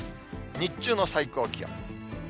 日中の最高気温。